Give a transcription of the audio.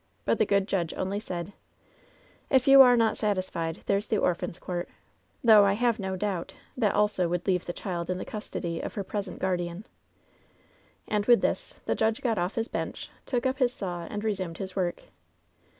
But the good judge only said :" ^If you are not satisfied, there's the orphans' court — though, I have no doubt, that also would leave the child in the custody of her present guardian.' "And with this the judge got off his 'bench,' took up his saw and resumed his work.